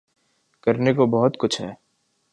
کرنے کو بہت کچھ ہے۔